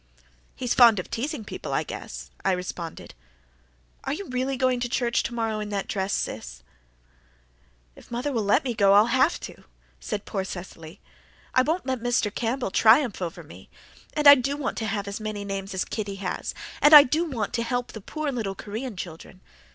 "He's fond of teasing people, I guess," I responded. "Are you really going to church to morrow in that dress, Sis?" "If mother'll let me I'll have to," said poor Cecily. "I won't let Mr. Campbell triumph over me. And I DO want to have as many names as Kitty has. And I DO want to help the poor little Korean children.